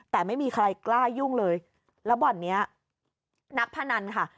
แต่ไม่มีใครกล้ายุ่งเลยแล้วบ่อนนี้นักพนันค่ะ